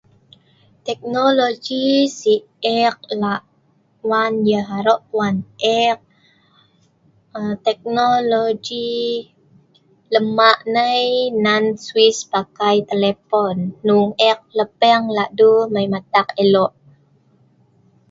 Teknologi si ‘ eek la’ wan yeh aroq wan eek a.. teknologi lem maq nai nan suis pakai telepon nnuong eek lepeng la’ duel mai matak eloe’